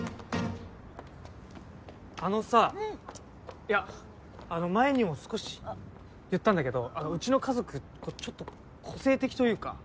いやあの前にも少し言ったんだけどうちの家族ちょっと個性的というか。